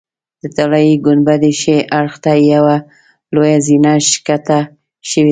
د طلایي ګنبدې ښي اړخ ته یوه لویه زینه ښکته شوې ده.